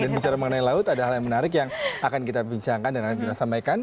dan bicara mengenai laut ada hal yang menarik yang akan kita bincangkan dan akan kita sampaikan